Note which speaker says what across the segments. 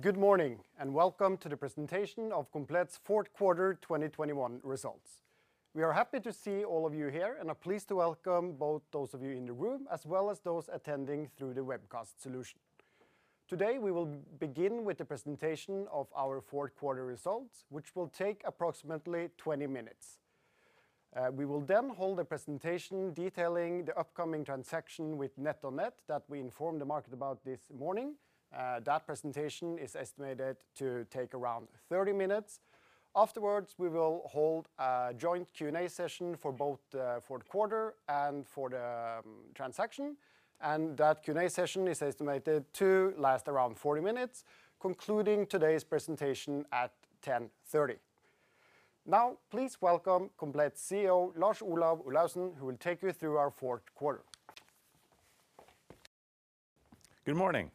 Speaker 1: Good morning, and welcome to the presentation of Komplett's Fourth Quarter 2021 Results. We are happy to see all of you here and are pleased to welcome both those of you in the room as well as those attending through the webcast solution. Today, we will begin with the presentation of our fourth quarter results, which will take approximately 20 minutes. We will then hold a presentation detailing the upcoming transaction with NetOnNet that we informed the market about this morning. That presentation is estimated to take around 30 minutes. Afterwards, we will hold a joint Q&A session for both the fourth quarter and for the transaction. That Q&A session is estimated to last around 40 minutes, concluding today's presentation at 10:30 A.M. Now, please welcome Komplett's CEO, Lars Olav Olaussen, who will take you through our fourth quarter.
Speaker 2: Good morning.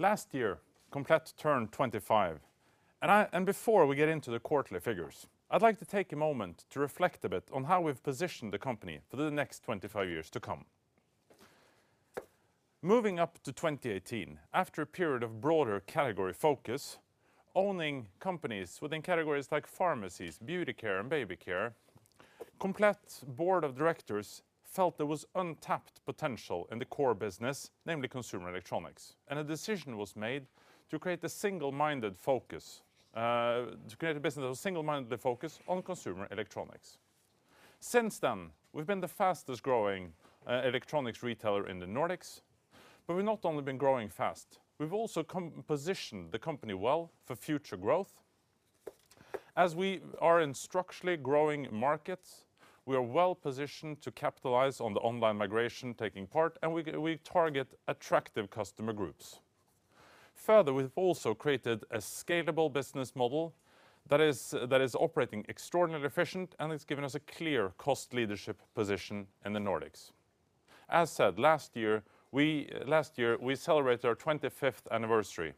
Speaker 2: Last year, Komplett turned 25. Before we get into the quarterly figures, I'd like to take a moment to reflect a bit on how we've positioned the company for the next 25 years to come. Moving up to 2018, after a period of broader category focus, owning companies within categories like pharmacies, beauty care, and baby care, Komplett's board of directors felt there was untapped potential in the core business, namely consumer electronics. A decision was made to create a single-minded focus, to create a business that was single-mindedly focused on consumer electronics. Since then, we've been the fastest-growing electronics retailer in the Nordics, but we've not only been growing fast, we've also positioned the company well for future growth. As we are in structurally growing markets, we are well-positioned to capitalize on the online migration taking place, and we target attractive customer groups. Further, we've also created a scalable business model that is operating extraordinarily efficient, and it's given us a clear cost leadership position in the Nordics. As said, last year, we celebrated our 25th anniversary.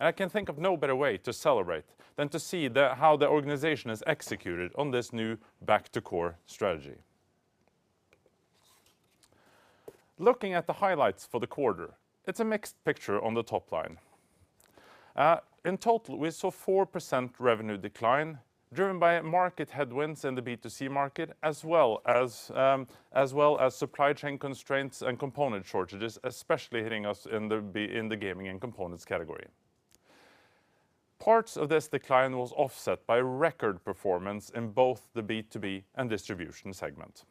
Speaker 2: I can think of no better way to celebrate than to see how the organization has executed on this new back to core strategy. Looking at the highlights for the quarter, it's a mixed picture on the top line. In total, we saw 4% revenue decline, driven by market headwinds in the B2C market, as well as supply chain constraints and component shortages, especially hitting us in the gaming and components category. Parts of this decline was offset by record performance in both the B2B and distribution segment.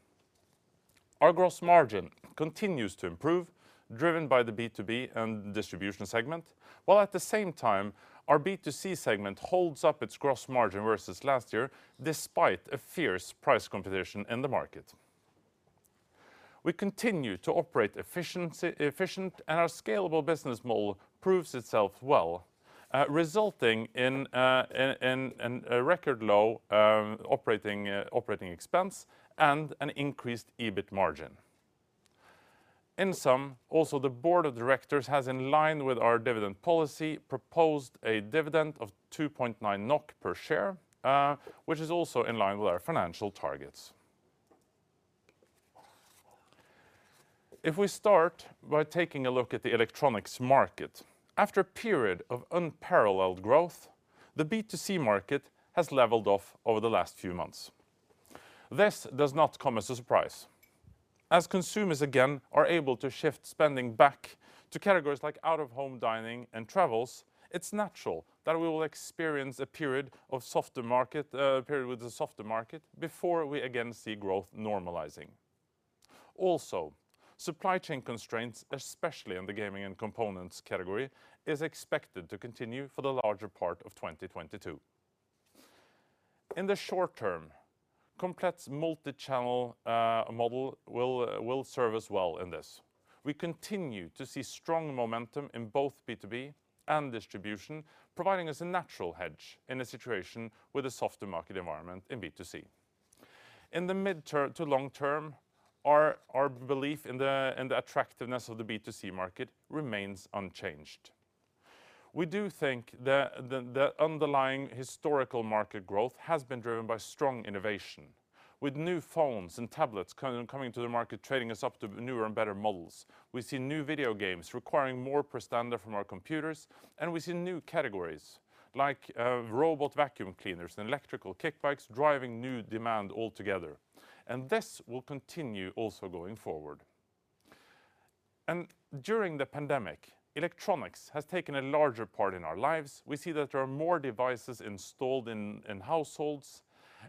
Speaker 2: Our gross margin continues to improve, driven by the B2B and distribution segment, while at the same time, our B2C segment holds up its gross margin versus last year despite a fierce price competition in the market. We continue to operate efficiently, and our scalable business model proves itself well, resulting in a record low operating expense and an increased EBIT margin. In sum, also the board of directors has, in line with our dividend policy, proposed a dividend of 2.9 NOK per share, which is also in line with our financial targets. If we start by taking a look at the electronics market, after a period of unparalleled growth, the B2C market has leveled off over the last few months. This does not come as a surprise. As consumers again are able to shift spending back to categories like out-of-home dining and travels, it's natural that we will experience a period of softer market, a period with a softer market before we again see growth normalizing. Also, supply chain constraints, especially in the gaming and components category, is expected to continue for the larger part of 2022. In the short term, Komplett's multi-channel model will serve us well in this. We continue to see strong momentum in both B2B and distribution, providing us a natural hedge in a situation with a softer market environment in B2C. In the mid-to-long term, our belief in the attractiveness of the B2C market remains unchanged. We do think the underlying historical market growth has been driven by strong innovation. With new phones and tablets coming to the market trading us up to newer and better models, we see new video games requiring more performance from our computers, and we see new categories like robot vacuum cleaners and electrical kickbikes driving new demand altogether. This will continue also going forward. During the pandemic, electronics has taken a larger part in our lives. We see that there are more devices installed in households,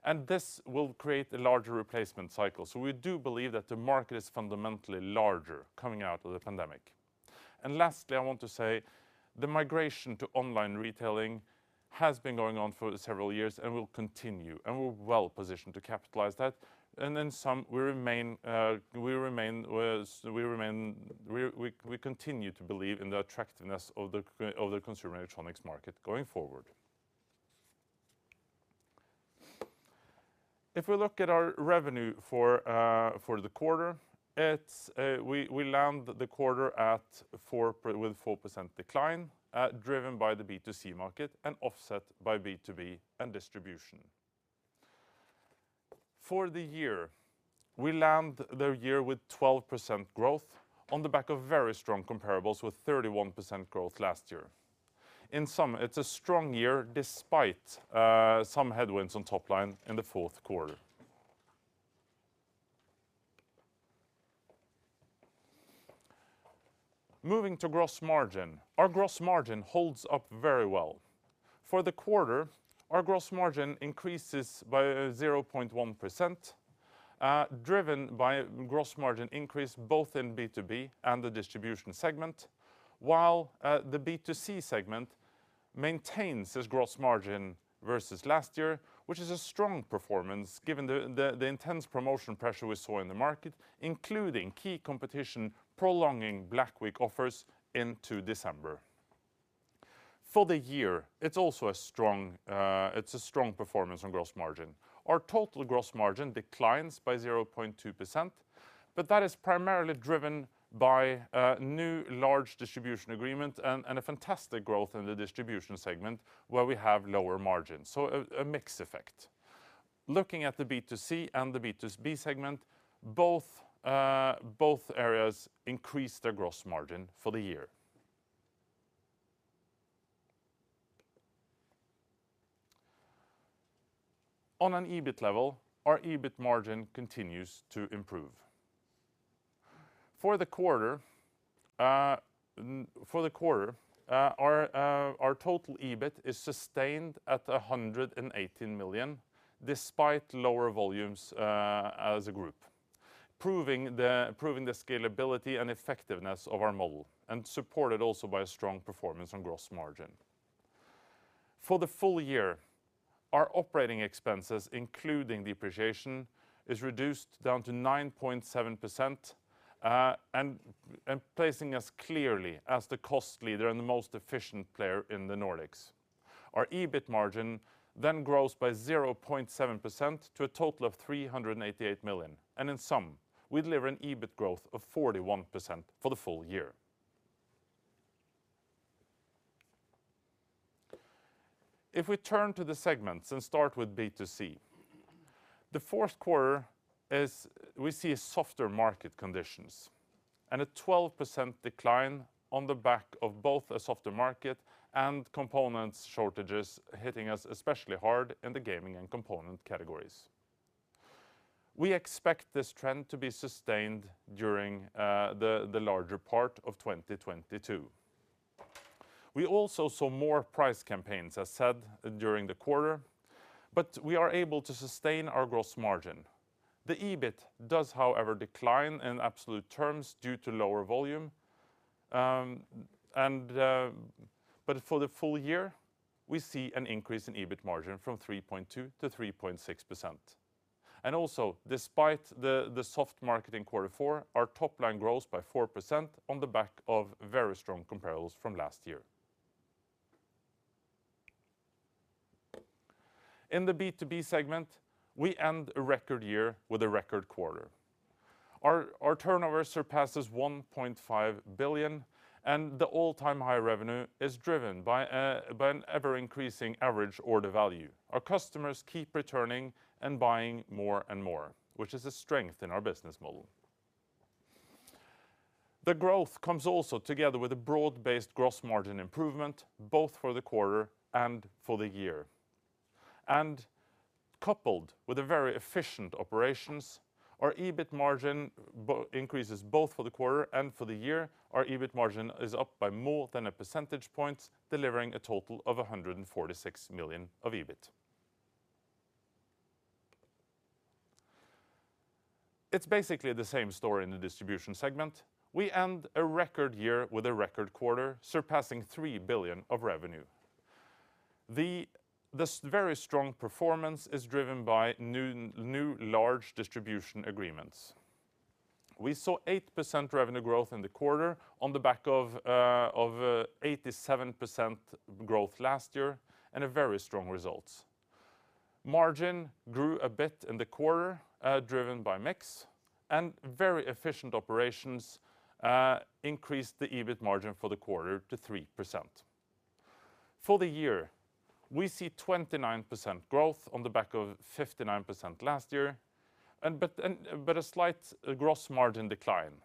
Speaker 2: and this will create a larger replacement cycle. We do believe that the market is fundamentally larger coming out of the pandemic. Lastly, I want to say the migration to online retailing has been going on for several years and will continue, and we're well positioned to capitalize that. In sum, we continue to believe in the attractiveness of the consumer electronics market going forward. If we look at our revenue for the quarter, we land the quarter with 4% decline, driven by the B2C market and offset by B2B and distribution. For the year, we land the year with 12% growth on the back of very strong comparables with 31% growth last year. In sum, it's a strong year despite some headwinds on top line in the fourth quarter. Moving to gross margin. Our gross margin holds up very well. For the quarter, our gross margin increases by 0.1%, driven by gross margin increase both in B2B and the distribution segment, while the B2C segment maintains its gross margin versus last year, which is a strong performance given the intense promotion pressure we saw in the market, including key competition prolonging Black Week offers into December. For the year, it's also a strong performance on gross margin. Our total gross margin declines by 0.2%, but that is primarily driven by new large distribution agreement and a fantastic growth in the distribution segment where we have lower margins. So a mix effect. Looking at the B2C and the B2B segment, both areas increase their gross margin for the year. On an EBIT level, our EBIT margin continues to improve. For the quarter, our total EBIT is sustained at 118 million, despite lower volumes as a group, proving the scalability and effectiveness of our model, and supported also by a strong performance on gross margin. For the full year, our operating expenses, including depreciation, is reduced down to 9.7%, and placing us clearly as the cost leader and the most efficient player in the Nordics. Our EBIT margin then grows by 0.7% to a total of 388 million. In sum, we deliver an EBIT growth of 41% for the full year. If we turn to the segments and start with B2C, the fourth quarter we see softer market conditions and a 12% decline on the back of both a softer market and components shortages hitting us especially hard in the gaming and component categories. We expect this trend to be sustained during the larger part of 2022. We also saw more price campaigns, as said, during the quarter, but we are able to sustain our gross margin. The EBIT does, however, decline in absolute terms due to lower volume, but for the full year, we see an increase in EBIT margin from 3.2% to 3.6%. Despite the soft market in quarter four, our top line grows by 4% on the back of very strong comparables from last year. In the B2B segment, we end a record year with a record quarter. Our turnover surpasses 1.5 billion, and the all-time high revenue is driven by an ever-increasing average order value. Our customers keep returning and buying more and more, which is a strength in our business model. The growth comes also together with a broad-based gross margin improvement, both for the quarter and for the year. Coupled with a very efficient operations, our EBIT margin increases both for the quarter and for the year. Our EBIT margin is up by more than a percentage point, delivering a total of 146 million of EBIT. It's basically the same story in the distribution segment. We end a record year with a record quarter, surpassing 3 billion of revenue. This very strong performance is driven by new large distribution agreements. We saw 8% revenue growth in the quarter on the back of 87% growth last year and a very strong result. Margin grew a bit in the quarter, driven by mix, and very efficient operations, increased the EBIT margin for the quarter to 3%. For the year, we see 29% growth on the back of 59% growth last year, but a slight gross margin decline.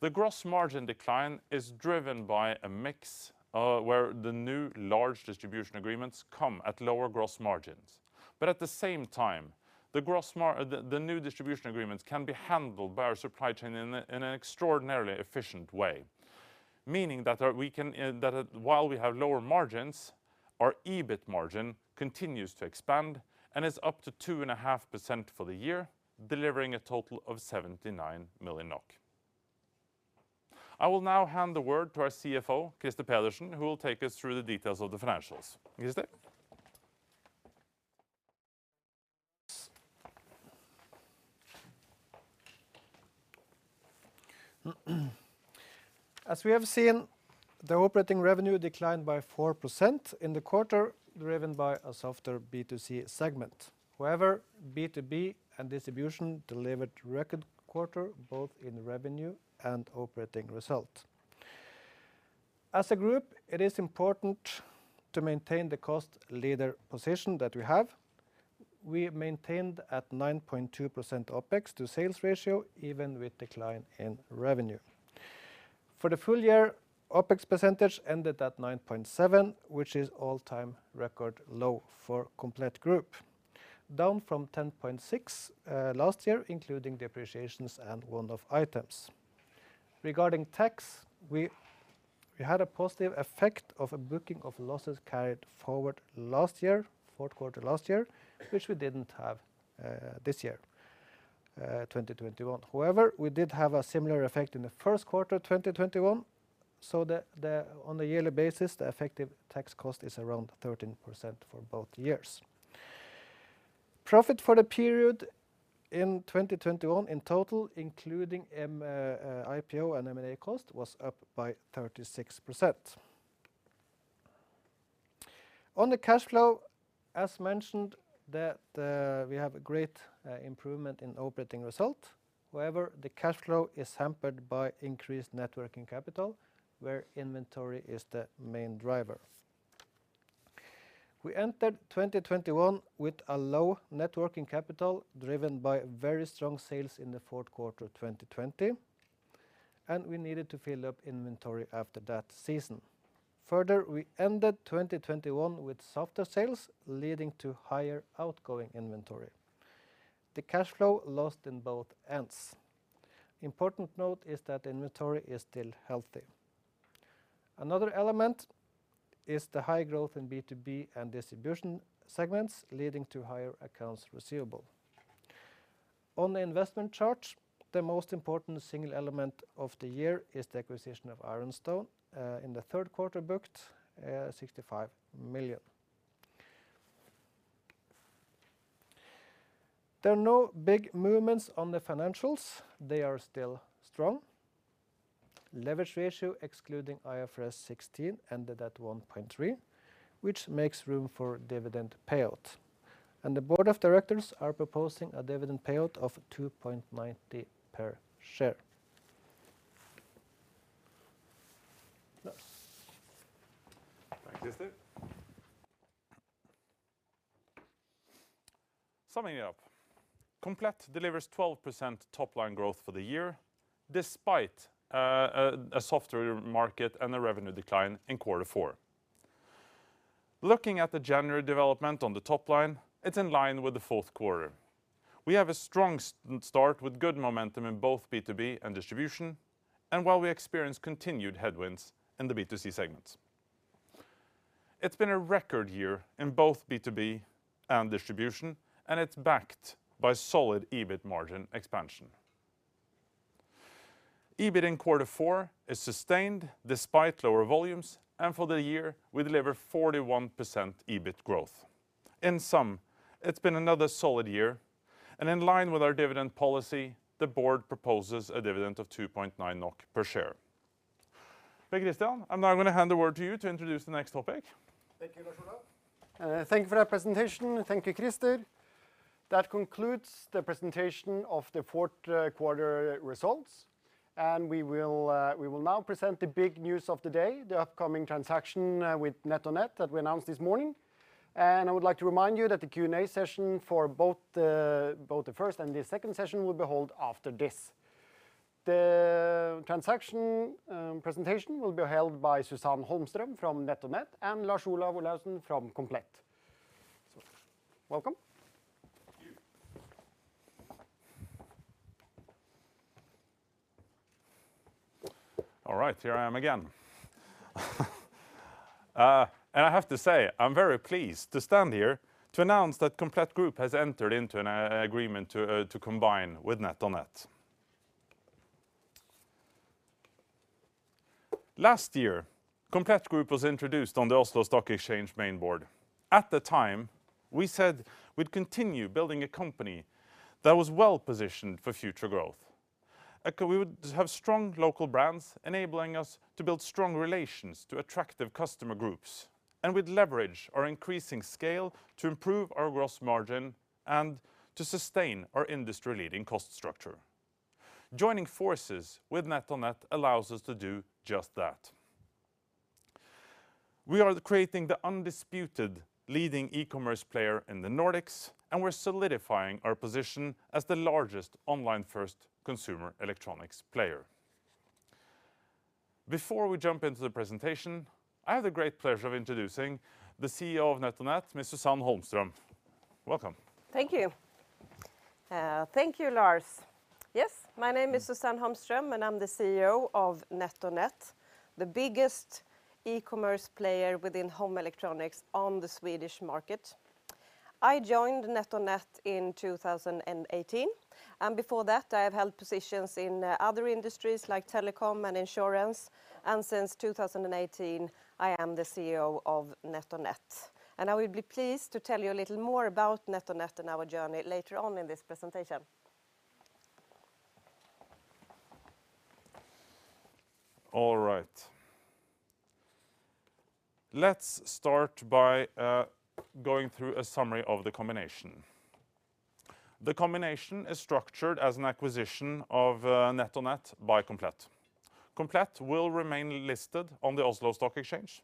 Speaker 2: The gross margin decline is driven by a mix where the new large distribution agreements come at lower gross margins. At the same time, the new distribution agreements can be handled by our supply chain in an extraordinarily efficient way, meaning that while we have lower margins, our EBIT margin continues to expand and is up to 2.5% for the year, delivering a total of 79 million NOK. I will now hand the word to our CFO, Krister Pedersen, who will take us through the details of the financials. Krister?
Speaker 3: As we have seen, the operating revenue declined by 4% in the quarter, driven by a softer B2C segment. However, B2B and distribution delivered record quarter both in revenue and operating result. As a group, it is important to maintain the cost leader position that we have. We maintained at 9.2% OPEX to sales ratio even with decline in revenue. For the full year, OPEX percentage ended at 9.7%, which is all-time record low for Komplett Group, down from 10.6, last year, including depreciations and one-off items. Regarding tax, we had a positive effect of a booking of losses carried forward last year, fourth quarter last year, which we didn't have, this year, 2021. However, we did have a similar effect in the first quarter 2021, so on a yearly basis, the effective tax cost is around 13% for both years. Profit for the period in 2021 in total, including IPO and M&A cost, was up by 36%. On the cash flow, as mentioned, we have a great improvement in operating result. However, the cash flow is hampered by increased net working capital, where inventory is the main driver. We entered 2021 with a low net working capital driven by very strong sales in the fourth quarter of 2020, and we needed to fill up inventory after that season. Further, we ended 2021 with softer sales, leading to higher outgoing inventory. The cash flow lost in both ends. Important note is that inventory is still healthy. Another element is the high growth in B2B and distribution segments leading to higher accounts receivable. On the investment chart, the most important single element of the year is the acquisition of Ironstone in the third quarter booked 65 million. There are no big movements on the financials. They are still strong. Leverage ratio excluding IFRS 16 ended at 1.3, which makes room for dividend payout. The board of directors are proposing a dividend payout of 2.90 per share.
Speaker 2: Thank you, Krister. Summing it up, Komplett delivers 12% top-line growth for the year despite a softer market and a revenue decline in quarter four. Looking at the January development on the top line, it's in line with the fourth quarter. We have a strong start with good momentum in both B2B and distribution, and while we experience continued headwinds in the B2C segments. It's been a record year in both B2B and distribution, and it's backed by solid EBIT margin expansion. EBIT in quarter four is sustained despite lower volumes, and for the year, we deliver 41% EBIT growth. In sum, it's been another solid year, and in line with our dividend policy, the board proposes a dividend of 2.9 NOK per share. Thank you, Krister. I'm now gonna hand the word to you to introduce the next topic.
Speaker 1: Thank you, Lars Olav. Thank you for that presentation. Thank you, Krister. That concludes the presentation of the Fourth Quarter Results, and we will now present the big news of the day, the upcoming transaction with NetOnNet that we announced this morning. I would like to remind you that the Q&A session for both the first and the second session will be held after this. The transaction presentation will be held by Susanne Holmström from NetOnNet and Lars Olav Olaussen from Komplett. Welcome.
Speaker 2: Thank you. All right, here I am again. I have to say I'm very pleased to stand here to announce that Komplett Group has entered into an agreement to combine with NetOnNet. Last year, Komplett Group was introduced on the Oslo Stock Exchange main board. At the time, we said we'd continue building a company that was well-positioned for future growth. We would have strong local brands enabling us to build strong relations to attractive customer groups, and we'd leverage our increasing scale to improve our gross margin and to sustain our industry-leading cost structure. Joining forces with NetOnNet allows us to do just that. We are creating the undisputed leading e-commerce player in the Nordics, and we're solidifying our position as the largest online-first consumer electronics player. Before we jump into the presentation, I have the great pleasure of introducing the CEO of NetOnNet, Ms. Susanne Holmström. Welcome.
Speaker 4: Thank you. Thank you, Lars. Yes, my name is Susanne Holmström, and I'm the CEO of NetOnNet, the biggest e-commerce player within home electronics on the Swedish market. I joined NetOnNet in 2018, and before that, I have held positions in other industries like telecom and insurance, and since 2018, I am the CEO of NetOnNet. I will be pleased to tell you a little more about NetOnNet and our journey later on in this presentation.
Speaker 2: All right. Let's start by going through a summary of the combination. The combination is structured as an acquisition of NetOnNet by Komplett. Komplett will remain listed on the Oslo Stock Exchange,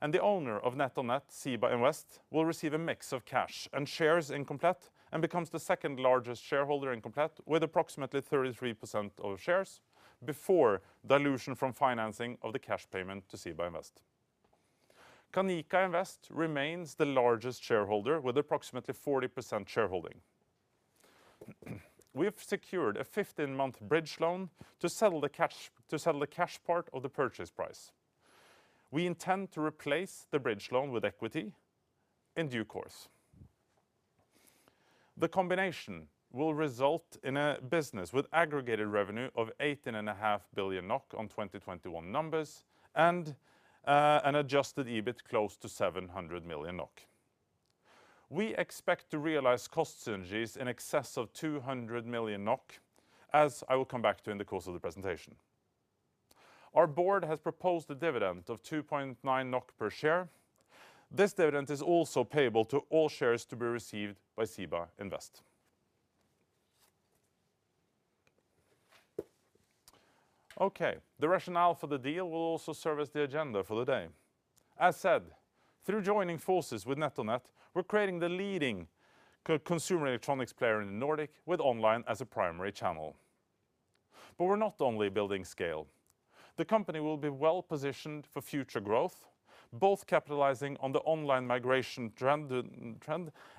Speaker 2: and the owner of NetOnNet, SIBA Invest, will receive a mix of cash and shares in Komplett and becomes the second-largest shareholder in Komplett with approximately 33% of shares before dilution from financing of the cash payment to SIBA Invest. Canica Invest remains the largest shareholder with approximately 40% shareholding. We have secured a 15-month bridge loan to settle the cash part of the purchase price. We intend to replace the bridge loan with equity in due course. The combination will result in a business with aggregated revenue of 18.5 billion NOK on 2021 numbers and an adjusted EBIT close to 700 million NOK. We expect to realize cost synergies in excess of 200 million NOK, as I will come back to in the course of the presentation. Our board has proposed a dividend of 2.9 NOK per share. This dividend is also payable to all shares to be received by Canica Invest. Okay. The rationale for the deal will also serve as the agenda for the day. As said, through joining forces with NetOnNet, we're creating the leading B2C consumer electronics player in the Nordic with online as a primary channel. We're not only building scale. The company will be well-positioned for future growth, both capitalizing on the online migration trend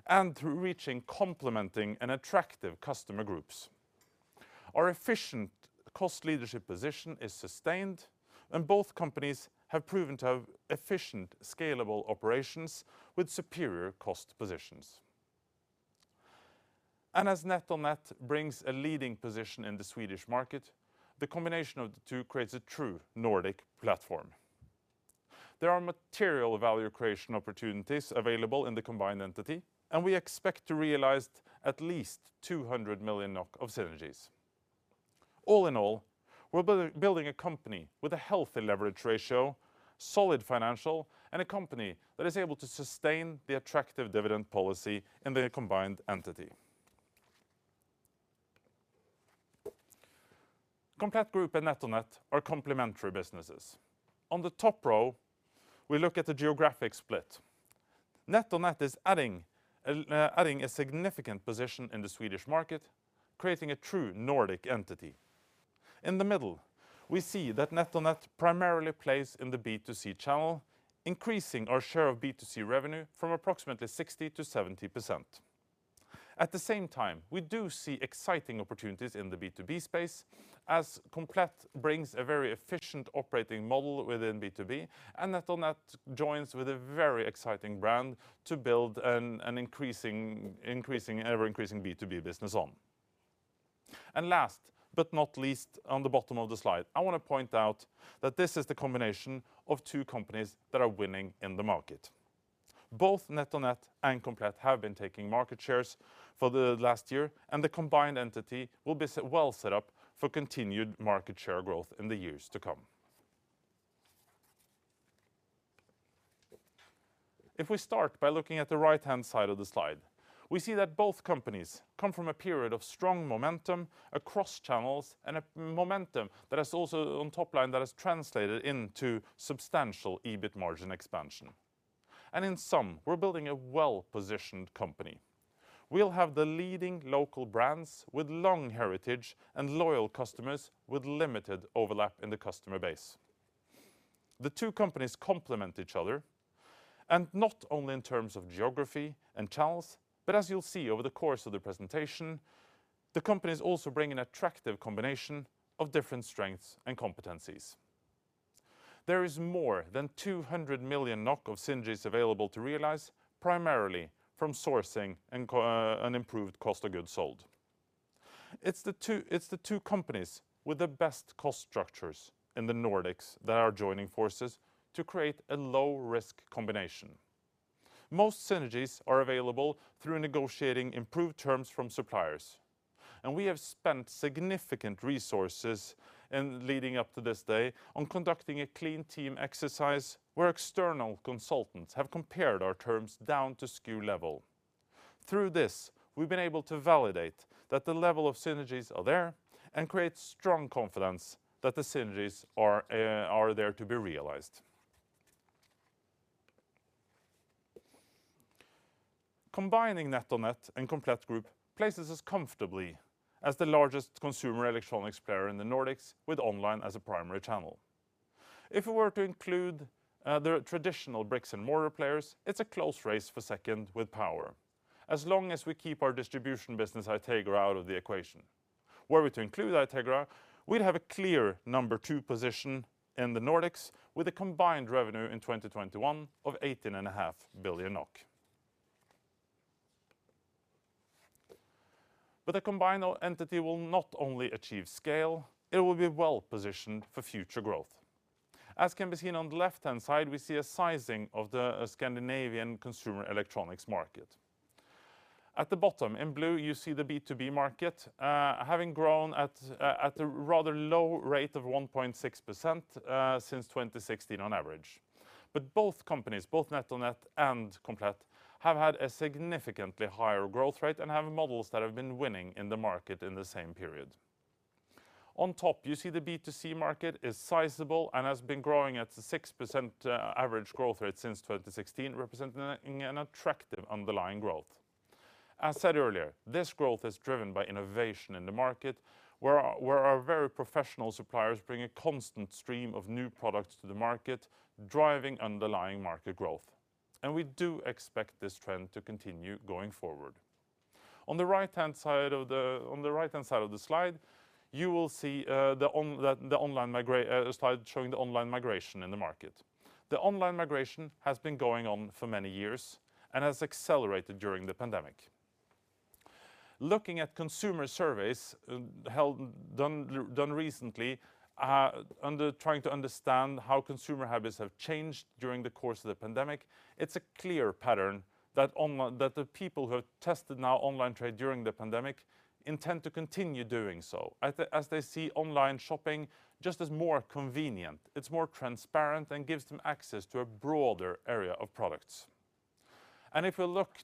Speaker 2: and through reaching complementing and attractive customer groups. Our efficient cost leadership position is sustained, and both companies have proven to have efficient, scalable operations with superior cost positions. As NetOnNet brings a leading position in the Swedish market, the combination of the two creates a true Nordic platform. There are material value creation opportunities available in the combined entity, and we expect to realize at least 200 million NOK of synergies. All in all, we're building a company with a healthy leverage ratio, solid financials, and a company that is able to sustain the attractive dividend policy in the combined entity. Komplett Group and NetOnNet are complementary businesses. On the top row, we look at the geographic split. NetOnNet is adding a significant position in the Swedish market, creating a true Nordic entity. In the middle, we see that NetOnNet primarily plays in the B2C channel, increasing our share of B2C revenue from approximately 60%-70%. At the same time, we do see exciting opportunities in the B2B space as Komplett brings a very efficient operating model within B2B, and NetOnNet joins with a very exciting brand to build an ever-increasing B2B business on. Last but not least, on the bottom of the slide, I want to point out that this is the combination of two companies that are winning in the market. Both NetOnNet and Komplett have been taking market shares for the last year, and the combined entity will be well set up for continued market share growth in the years to come. If we start by looking at the right-hand side of the slide, we see that both companies come from a period of strong momentum across channels and a momentum that has also on top line that has translated into substantial EBIT margin expansion. In sum, we're building a well-positioned company. We'll have the leading local brands with long heritage and loyal customers with limited overlap in the customer base. The two companies complement each other, and not only in terms of geography and channels, but as you'll see over the course of the presentation, the companies also bring an attractive combination of different strengths and competencies. There is more than 200 million NOK of synergies available to realize, primarily from sourcing and an improved cost of goods sold. It's the two companies with the best cost structures in the Nordics that are joining forces to create a low-risk combination. Most synergies are available through negotiating improved terms from suppliers. We have spent significant resources in leading up to this day on conducting a clean team exercise where external consultants have compared our terms down to SKU level. Through this, we've been able to validate that the level of synergies are there and create strong confidence that the synergies are there to be realized. Combining NetOnNet and Komplett Group places us comfortably as the largest consumer electronics player in the Nordics with online as a primary channel. If we were to include the traditional bricks and mortar players, it's a close race for second with Power. As long as we keep our distribution business, Itegra, out of the equation. Were we to include Itegra, we'd have a clear number two position in the Nordics with a combined revenue in 2021 of 18.5 billion NOK. The combined entity will not only achieve scale, it will be well-positioned for future growth. As can be seen on the left-hand side, we see a sizing of the Scandinavian consumer electronics market. At the bottom in blue, you see the B2B market, having grown at a rather low rate of 1.6%, since 2016 on average. Both companies, both NetOnNet and Komplett, have had a significantly higher growth rate and have models that have been winning in the market in the same period. On top, you see the B2C market is sizable and has been growing at 6%, average growth rate since 2016, representing an attractive underlying growth. As said earlier, this growth is driven by innovation in the market where our very professional suppliers bring a constant stream of new products to the market, driving underlying market growth. We do expect this trend to continue going forward. On the right-hand side of the slide, you will see the slide showing the online migration in the market. The online migration has been going on for many years and has accelerated during the pandemic. Looking at consumer surveys held done recently under trying to understand how consumer habits have changed during the course of the pandemic, it's a clear pattern that the people who have tested now online trade during the pandemic intend to continue doing so as they see online shopping just as more convenient. It's more transparent and gives them access to a broader area of products. If we look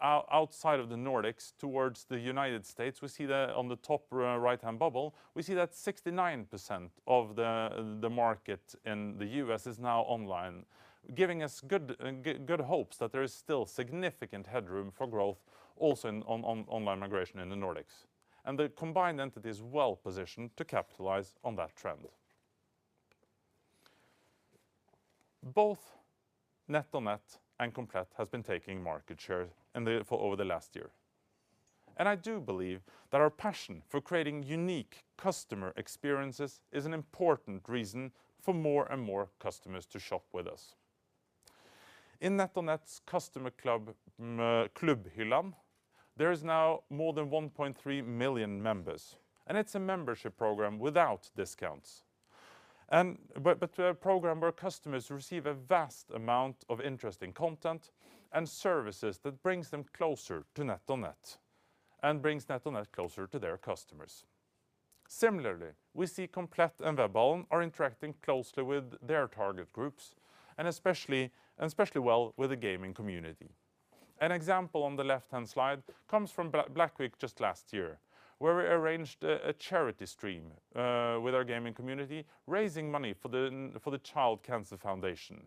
Speaker 2: outside of the Nordics towards the United States, we see that on the top right-hand bubble, we see that 69% of the market in the U.S. is now online, giving us good hopes that there is still significant headroom for growth also in online migration in the Nordics. The combined entity is well-positioned to capitalize on that trend. Both NetOnNet and Komplett has been taking market share in the for over the last year. I do believe that our passion for creating unique customer experiences is an important reason for more and more customers to shop with us. In NetOnNet's customer club, Klubbhyllan, there is now more than 1.3 million members, and it's a membership program without discounts. A program where customers receive a vast amount of interesting content and services that brings them closer to NetOnNet and brings NetOnNet closer to their customers. Similarly, we see Komplett and Webhallen are interacting closely with their target groups and especially well with the gaming community. An example on the left-hand slide comes from Black Week just last year, where we arranged a charity stream with our gaming community, raising money for the Child Cancer Foundation.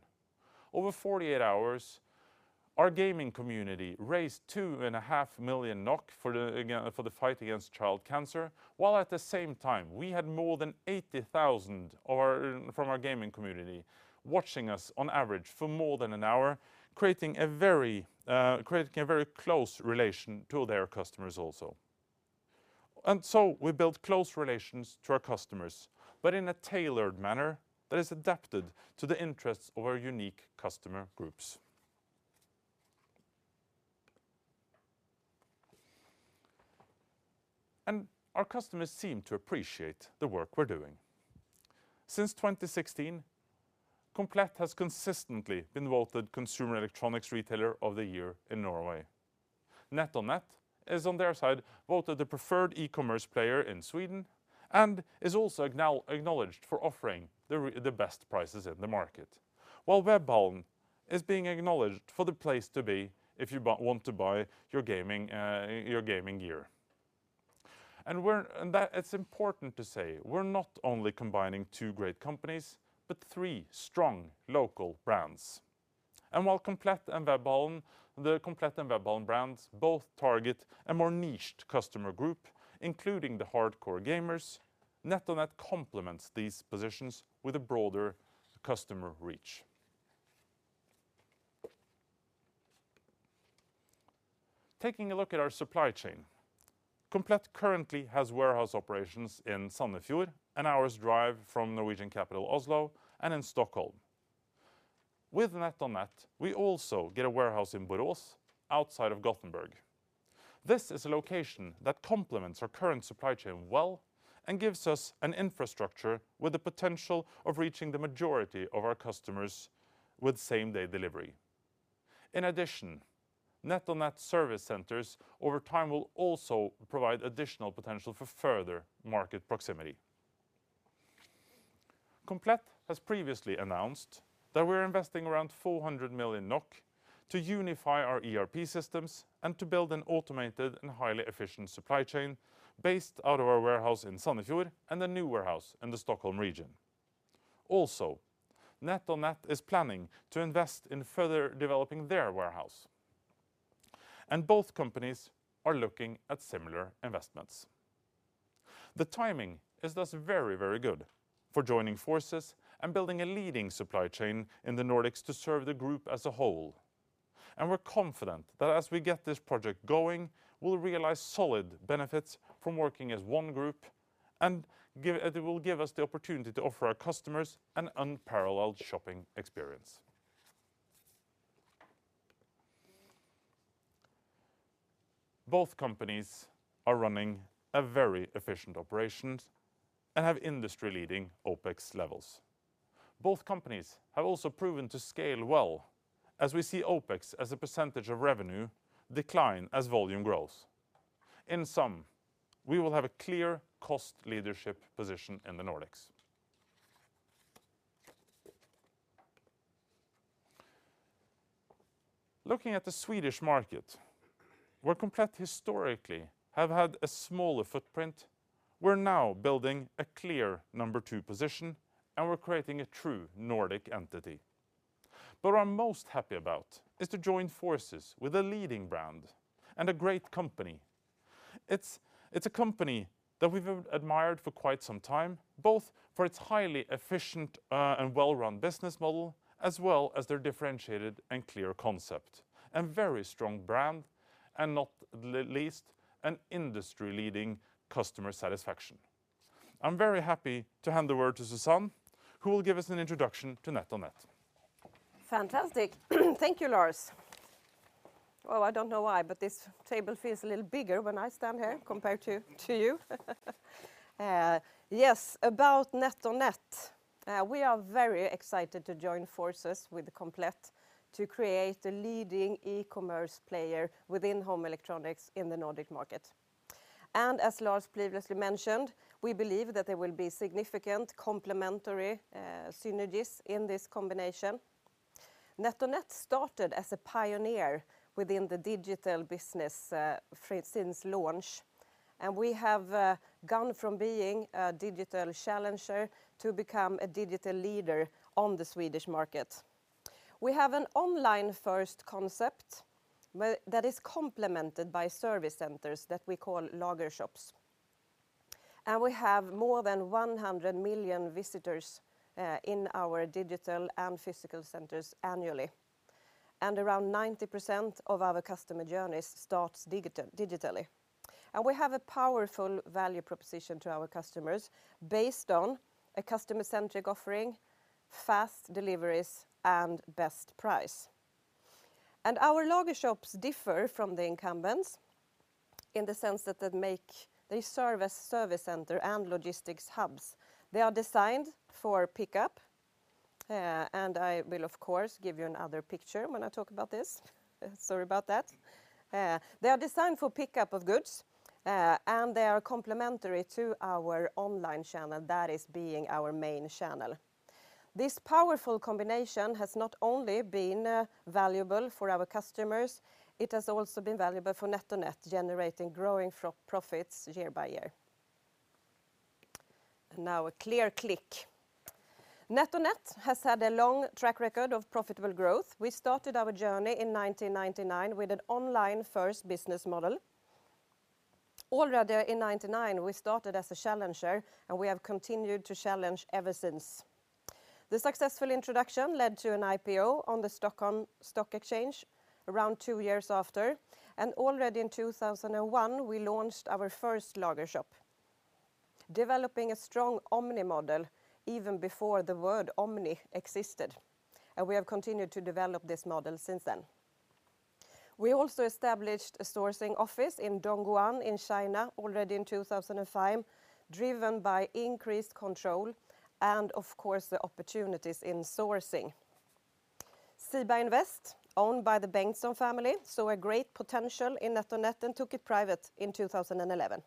Speaker 2: Over 48 hours, our gaming community raised 2.5 million NOK for the fight against child cancer, while at the same time, we had more than 80,000 from our gaming community watching us on average for more than an hour, creating a very close relation to their customers also. We built close relations to our customers, but in a tailored manner that is adapted to the interests of our unique customer groups. Our customers seem to appreciate the work we're doing. Since 2016, Komplett has consistently been voted Consumer Electronics Retailer of the Year in Norway. NetOnNet is on their side voted the preferred e-commerce player in Sweden and is also acknowledged for offering the best prices in the market, while Webhallen is being acknowledged for the place to be if you want to buy your gaming gear. That it's important to say we're not only combining two great companies, but three strong local brands. While Komplett and Webhallen, the Komplett and Webhallen brands both target a more niche customer group, including the hardcore gamers, NetOnNet complements these positions with a broader customer reach. Taking a look at our supply chain, Komplett currently has warehouse operations in Sandefjord, an hour's drive from Norwegian capital Oslo, and in Stockholm. With NetOnNet, we also get a warehouse in Borås, outside of Gothenburg. This is a location that complements our current supply chain well and gives us an infrastructure with the potential of reaching the majority of our customers with same-day delivery. In addition, NetOnNet service centers over time will also provide additional potential for further market proximity. Komplett has previously announced that we're investing around 400 million NOK to unify our ERP systems and to build an automated and highly efficient supply chain based out of our warehouse in Sandefjord and a new warehouse in the Stockholm region. Also, NetOnNet is planning to invest in further developing their warehouse. Both companies are looking at similar investments. The timing is thus very, very good for joining forces and building a leading supply chain in the Nordics to serve the group as a whole. We're confident that as we get this project going, we'll realize solid benefits from working as one group and it will give us the opportunity to offer our customers an unparalleled shopping experience. Both companies are running a very efficient operations and have industry-leading OPEX levels. Both companies have also proven to scale well as we see OPEX as a percentage of revenue decline as volume grows. In sum, we will have a clear cost leadership position in the Nordics. Looking at the Swedish market, where Komplett historically have had a smaller footprint, we're now building a clear number two position, and we're creating a true Nordic entity. What I'm most happy about is to join forces with a leading brand and a great company. It's a company that we've admired for quite some time, both for its highly efficient and well-run business model, as well as their differentiated and clear concept and very strong brand, and not least, an industry-leading customer satisfaction. I'm very happy to hand the word to Susanne, who will give us an introduction to NetOnNet.
Speaker 4: Fantastic. Thank you, Lars. Oh, I don't know why, but this table feels a little bigger when I stand here compared to you. Yes, about NetOnNet. We are very excited to join forces with Komplett to create a leading e-commerce player within home electronics in the Nordic market. As Lars previously mentioned, we believe that there will be significant complementary synergies in this combination. NetOnNet started as a pioneer within the digital business since launch, and we have gone from being a digital challenger to become a digital leader on the Swedish market. We have an online first concept that is complemented by service centers that we call Lagershops. We have more than 100 million visitors in our digital and physical centers annually, and around 90% of our customer journeys starts digitally. We have a powerful value proposition to our customers based on a customer-centric offering, fast deliveries, and best price. Our Lagershops differ from the incumbents in the sense that they serve as service center and logistics hubs. They are designed for pickup, and I will of course give you another picture when I talk about this. Sorry about that. They are designed for pickup of goods, and they are complementary to our online channel that is being our main channel. This powerful combination has not only been valuable for our customers, it has also been valuable for NetOnNet, generating growing profits year by year. And now a clear click. NetOnNet has had a long track record of profitable growth. We started our journey in 1999 with an online-first business model. Already in 1999, we started as a challenger, and we have continued to challenge ever since. The successful introduction led to an IPO on the Stockholm Stock Exchange around two years after, and already in 2001, we launched our first Lagershop, developing a strong omni model even before the word omni existed, and we have continued to develop this model since then. We also established a sourcing office in Dongguan in China already in 2005, driven by increased control and of course the opportunities in sourcing. SIBA Invest, owned by the Bengtsson family, saw a great potential in NetOnNet and took it private in 2011.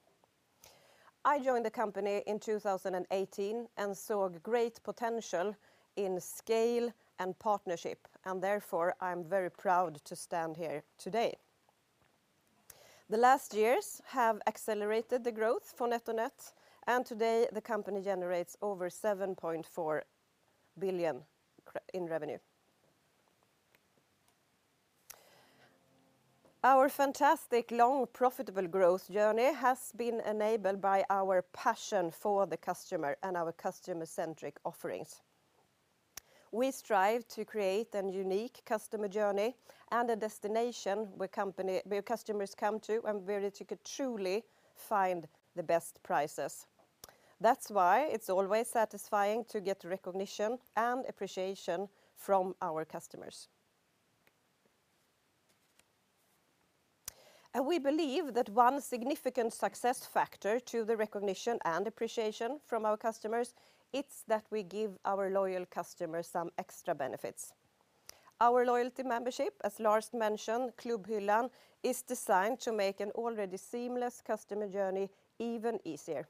Speaker 4: I joined the company in 2018 and saw great potential in scale and partnership, and therefore, I'm very proud to stand here today. The last years have accelerated the growth for NetOnNet, and today the company generates over 7.4 billion in revenue. Our fantastic long profitable growth journey has been enabled by our passion for the customer and our customer-centric offerings. We strive to create a unique customer journey and a destination where customers come to and where they could truly find the best prices. That's why it's always satisfying to get recognition and appreciation from our customers. We believe that one significant success factor to the recognition and appreciation from our customers, it's that we give our loyal customers some extra benefits. Our loyalty membership, as Lars mentioned, Klubbhyllan, is designed to make an already seamless customer journey even easier.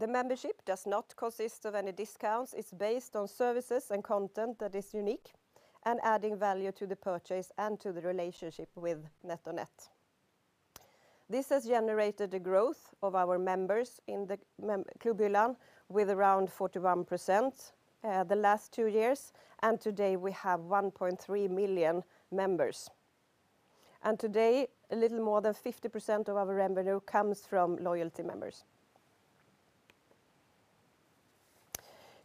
Speaker 4: The membership does not consist of any discounts. It's based on services and content that is unique and adding value to the purchase and to the relationship with NetOnNet. This has generated the growth of our members in the Klubbhyllan with around 41%, the last two years, and today we have 1.3 million members. Today, a little more than 50% of our revenue comes from loyalty members.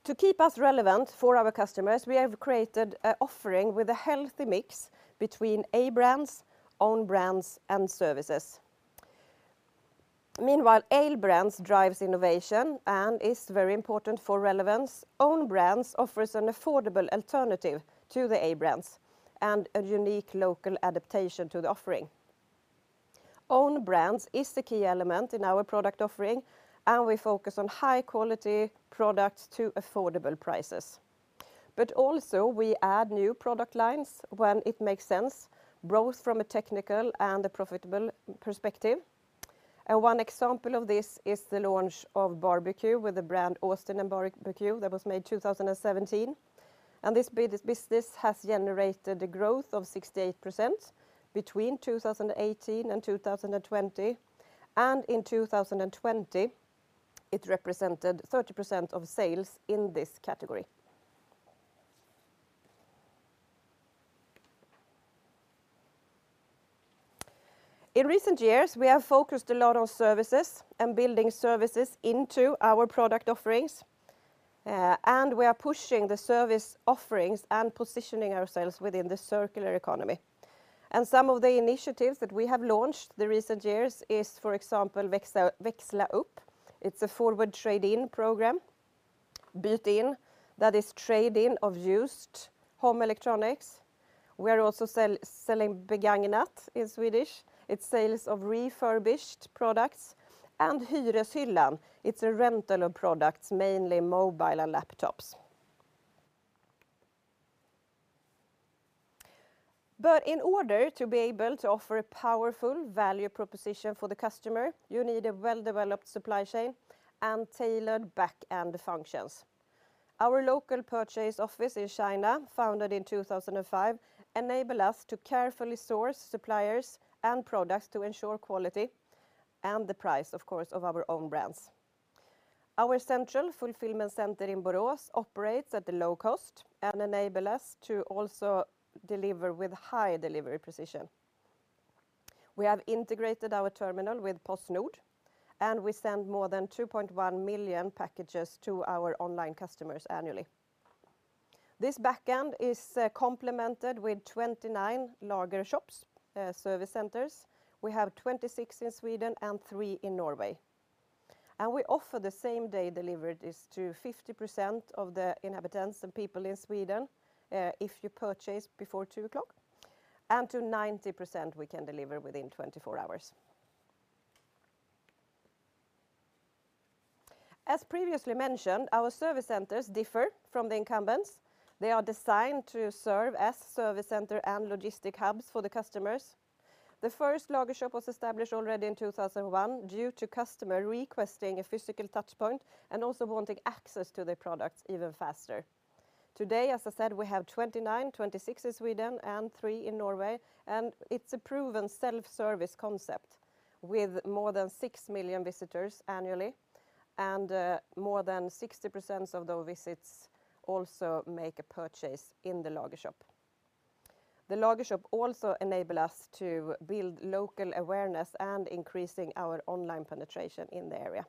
Speaker 4: To keep us relevant for our customers, we have created an offering with a healthy mix between A-brands, own brands, and services. Meanwhile, A-brands drives innovation and is very important for relevance. Own brands offers an affordable alternative to the A-brands and a unique local adaptation to the offering. Own brands is the key element in our product offering, and we focus on high quality products to affordable prices. We add new product lines when it makes sense, both from a technical and a profitable perspective. One example of this is the launch of barbecue with the brand Austin & Barbecue that was made 2017. This business has generated the growth of 68% between 2018 and 2020. In 2020, it represented 30% of sales in this category. In recent years, we have focused a lot on services and building services into our product offerings, and we are pushing the service offerings and positioning ourselves within the circular economy. Some of the initiatives that we have launched the recent years is, for example, Växla Upp. It's a forward trade-in program. Byt in that is trade-in of used home electronics. We are also selling Begagnat in Swedish. It's sales of refurbished products. Hyreshyllan, it's a rental of products, mainly mobile and laptops. In order to be able to offer a powerful value proposition for the customer, you need a well-developed supply chain and tailored back-end functions. Our local purchase office in China, founded in 2005, enable us to carefully source suppliers and products to ensure quality and the price, of course, of our own brands. Our central fulfillment center in Borås operates at a low cost and enable us to also deliver with high delivery precision. We have integrated our terminal with PostNord, and we send more than 2.1 million packages to our online customers annually. This back end is complemented with 29 Lagershops, service centers. We have 26 in Sweden and three in Norway. We offer the same day deliveries to 50% of the inhabitants and people in Sweden, if you purchase before 2:00, and to 90% we can deliver within 24 hours. As previously mentioned, our service centers differ from the incumbents. They are designed to serve as service center and logistics hubs for the customers. The first Lagershop was established already in 2001 due to customer requesting a physical touch point and also wanting access to the products even faster. Today, as I said, we have 29, 26 in Sweden and three in Norway, and it's a proven self-service concept with more than 6 million visitors annually, and more than 60% of those visits also make a purchase in the Lagershop. The Lagershop also enable us to build local awareness and increasing our online penetration in the area.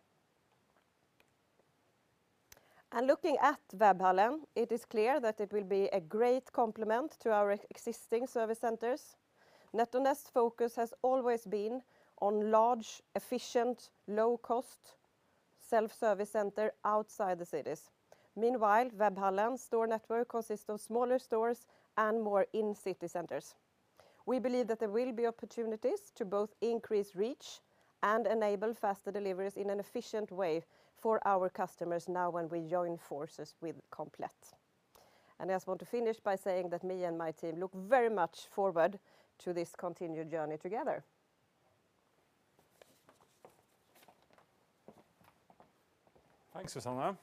Speaker 4: Looking at Webhallen, it is clear that it will be a great complement to our existing service centers. NetOnNet's focus has always been on large, efficient, low-cost self-service center outside the cities. Meanwhile, Webhallen store network consists of smaller stores and more in-city centers. We believe that there will be opportunities to both increase reach and enable faster deliveries in an efficient way for our customers now when we join forces with Komplett. I just want to finish by saying that me and my team look very much forward to this continued journey together.
Speaker 2: Thanks, Susanne.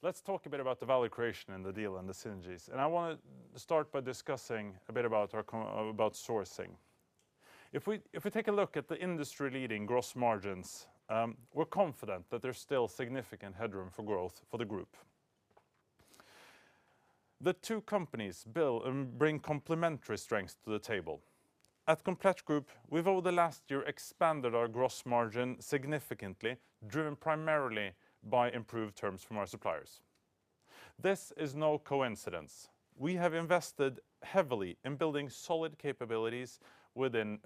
Speaker 2: Let's talk a bit about the value creation in the deal and the synergies. I wanna start by discussing a bit about sourcing. If we take a look at the industry-leading gross margins, we're confident that there's still significant headroom for growth for the group. The two companies build and bring complementary strengths to the table. At Komplett Group, we've over the last year expanded our gross margin significantly, driven primarily by improved terms from our suppliers. This is no coincidence. We have invested heavily in building solid capabilities within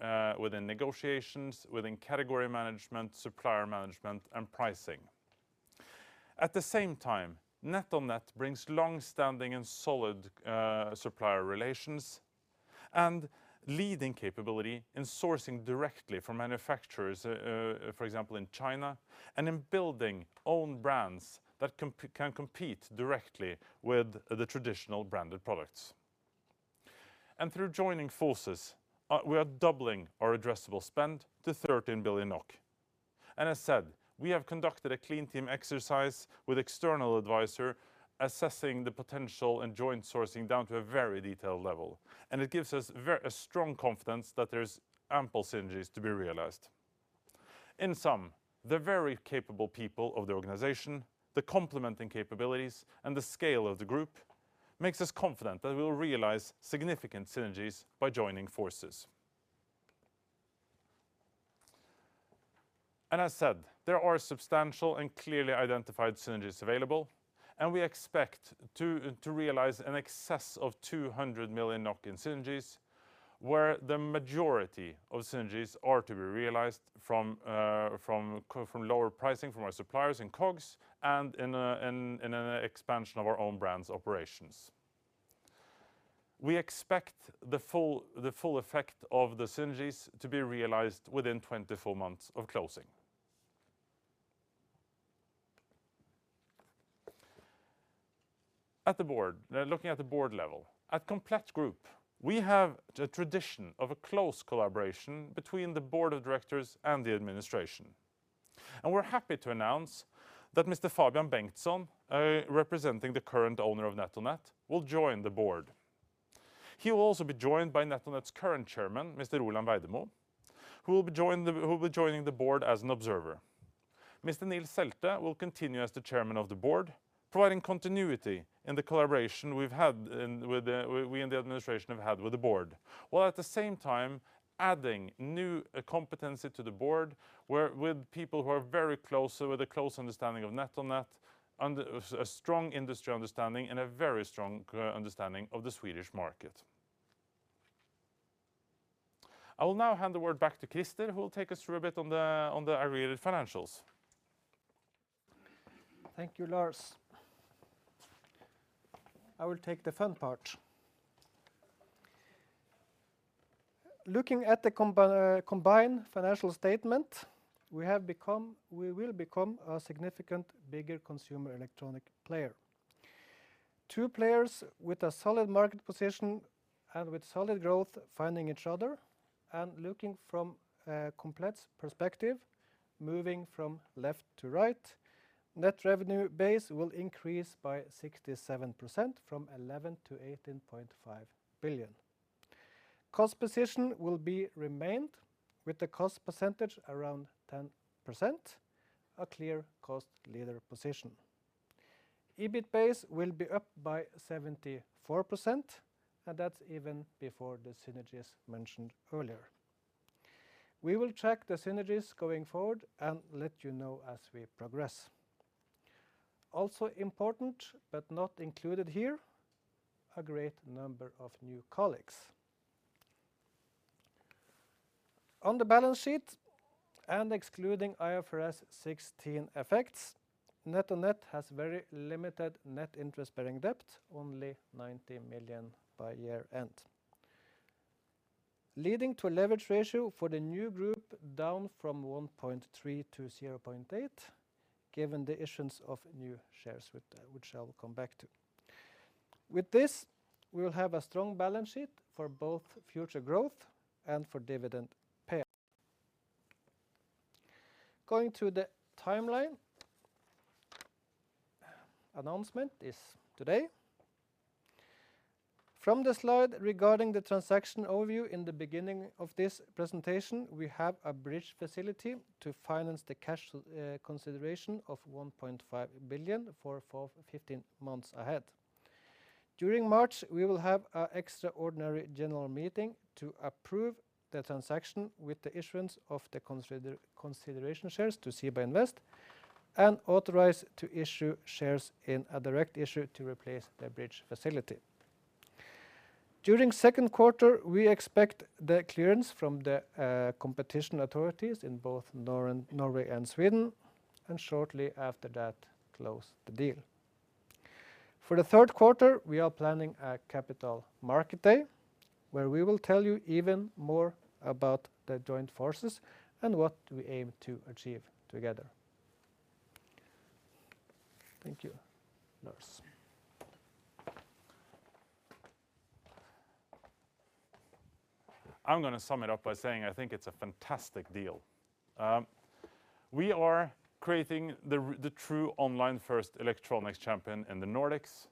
Speaker 2: negotiations, within category management, supplier management, and pricing. At the same time, NetOnNet brings long-standing and solid supplier relations and leading capability in sourcing directly from manufacturers, for example, in China, and in building own brands that can compete directly with the traditional branded products. Through joining forces, we are doubling our addressable spend to 13 billion NOK. As said, we have conducted a clean team exercise with external advisor assessing the potential and joint sourcing down to a very detailed level. It gives us a strong confidence that there's ample synergies to be realized. In sum, the very capable people of the organization, the complementing capabilities, and the scale of the group makes us confident that we will realize significant synergies by joining forces. As said, there are substantial and clearly identified synergies available, and we expect to realize an excess of 200 million in synergies, where the majority of synergies are to be realized from lower pricing from our suppliers in COGS and in an expansion of our own brands operations. We expect the full effect of the synergies to be realized within 24 months of closing. At the board. Now looking at the board level. At Komplett Group, we have the tradition of a close collaboration between the board of directors and the administration. We're happy to announce that Mr. Fabian Bengtsson, representing the current owner of NetOnNet, will join the board. He will also be joined by NetOnNet's current chairman, Mr. Roland Vejdemo, who will be joining the board as an observer. Mr. Nils Selte will continue as the Chairman of the Board, providing continuity in the collaboration we in the administration have had with the board, while at the same time adding new competency to the board with people who are very close, with a close understanding of NetOnNet, under a strong industry understanding, and a very strong understanding of the Swedish market. I will now hand the word back to Krister, who will take us through a bit on the related financials.
Speaker 3: Thank you, Lars. I will take the fun part. Looking at the combined financial statement, we will become a significantly bigger consumer electronics player. Two players with a solid market position and with solid growth finding each other, and looking from Komplett's perspective, moving from left to right, net revenue base will increase by 67% from 11 billion to 18.5 billion. Cost position will be remained with the cost percentage around 10%, a clear cost leader position. EBIT base will be up by 74%, and that's even before the synergies mentioned earlier. We will track the synergies going forward and let you know as we progress. Also important, but not included here, a great number of new colleagues. On the balance sheet, and excluding IFRS 16 effects, NetOnNet has very limited net interest-bearing debt, only 90 million by year-end. Leading to a leverage ratio for the new group down from 1.3 to 0.8, given the issuance of new shares which I'll come back to. With this, we will have a strong balance sheet for both future growth and for dividend payout. Going to the timeline. Announcement is today. From the slide regarding the transaction overview in the beginning of this presentation, we have a bridge facility to finance the cash consideration of 1.5 billion for 15 months ahead. During March, we will have an extraordinary general meeting to approve the transaction with the issuance of the consideration shares to SIBA Invest and authorize to issue shares in a direct issue to replace the bridge facility. During second quarter, we expect the clearance from the competition authorities in both Norway and Sweden, and shortly after that, close the deal. For the third quarter, we are planning a capital market day where we will tell you even more about the joint forces and what we aim to achieve together. Thank you. Lars.
Speaker 2: I'm gonna sum it up by saying I think it's a fantastic deal. We are creating the true online-first electronics champion in the Nordics.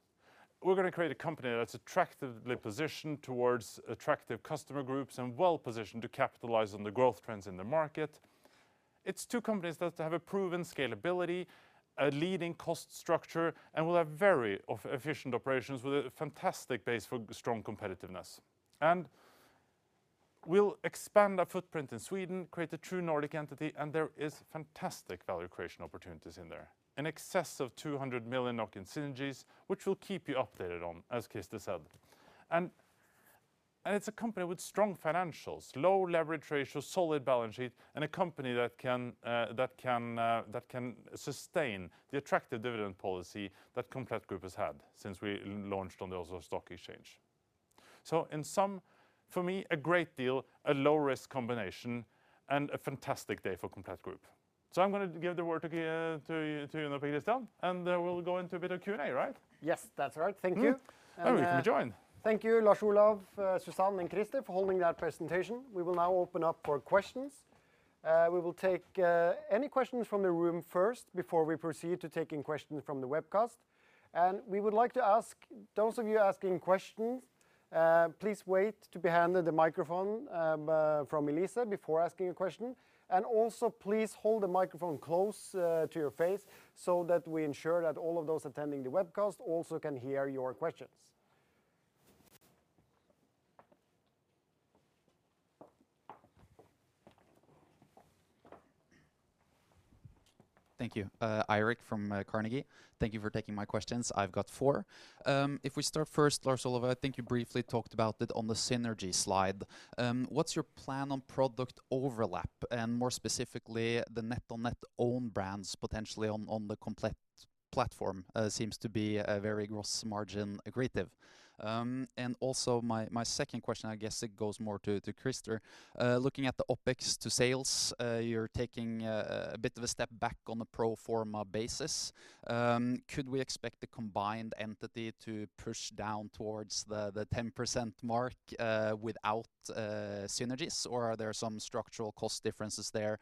Speaker 2: We're gonna create a company that's attractively positioned towards attractive customer groups and well-positioned to capitalize on the growth trends in the market. It's two companies that have a proven scalability, a leading cost structure, and will have very efficient operations with a fantastic base for strong competitiveness. We'll expand our footprint in Sweden, create a true Nordic entity, and there is fantastic value creation opportunities in there, in excess of 200 million in synergies, which we'll keep you updated on, as Krister said. It's a company with strong financials, low leverage ratio, solid balance sheet, and a company that can sustain the attractive dividend policy that Komplett Group has had since we launched on the Oslo Stock Exchange. In sum, for me, a great deal, a low-risk combination, and a fantastic day for Komplett Group. I'm gonna give the word to Jan-Petter Jersland, and then we'll go into a bit of Q&A, right?
Speaker 1: Yes, that's right. Thank you.
Speaker 2: Mm-hmm. We can join.
Speaker 1: Thank you, Lars Olav, Susanne, and Krister for holding that presentation. We will now open up for questions. We will take any questions from the room first before we proceed to taking questions from the webcast. We would like to ask those of you asking questions, please wait to be handed the microphone from Elisa before asking a question. Also please hold the microphone close to your face so that we ensure that all of those attending the webcast also can hear your questions.
Speaker 5: Thank you. Eirik from Carnegie. Thank you for taking my questions. I've got four. If we start first, Lars-Ola, I think you briefly talked about it on the synergy slide. What's your plan on product overlap? And more specifically, the NetOnNet own brands potentially on the Komplett platform seems to be a very gross margin accretive. And also my second question, I guess it goes more to Christer. Looking at the OpEx to sales, you're taking a bit of a step back on the pro forma basis. Could we expect the combined entity to push down towards the 10% mark without synergies? Or are there some structural cost differences there,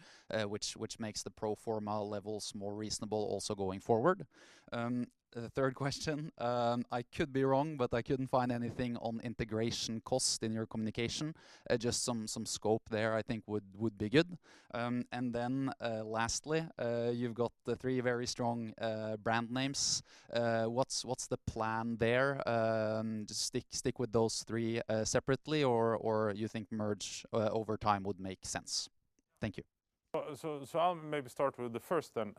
Speaker 5: which makes the pro forma levels more reasonable also going forward? The third question, I could be wrong, but I couldn't find anything on integration cost in your communication. Just some scope there I think would be good. Lastly, you've got the three very strong brand names. What's the plan there? Stick with those three separately or you think merge over time would make sense? Thank you.
Speaker 2: I'll maybe start with the first then.